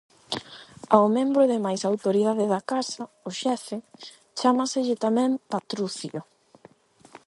Ao membro de máis autoridade da Casa, o xefe, chámaselle tamén patrucio.